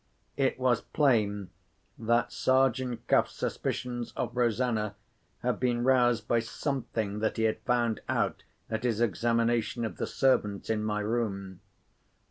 It was plain that Sergeant Cuff's suspicions of Rosanna had been roused by something that he had found out at his examination of the servants in my room.